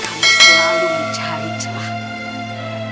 kamu selalu mencari cah